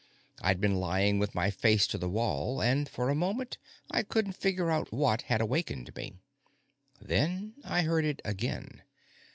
I'd been lying with my face to the wall, and, for a moment, I couldn't figure out what had awakened me. Then I heard it again.